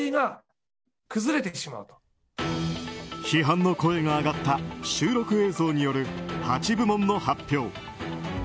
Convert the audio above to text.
批判の声が上がった収録映像による８部門の発表。